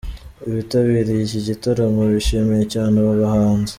Abitabiriye iki gitaramo bishimiye cyane aba bahanzi .